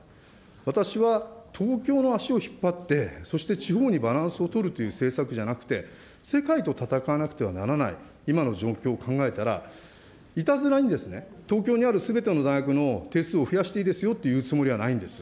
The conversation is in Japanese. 私は東京の足を引っ張って、そして地方にバランスを取るという政策じゃなくて、世界と戦わなくてはならない今の状況を考えたら、いたずらに東京にあるすべての大学の定数を増やしていいですよっていうつもりはないんです。